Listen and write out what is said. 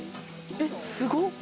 えっすごっ。